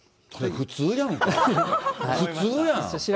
普通やん。